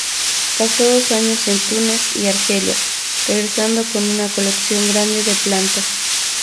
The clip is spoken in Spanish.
Pasó dos años en Túnez y Argelia, regresando con una colección grande de plantas.